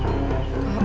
bapak bisa tau gak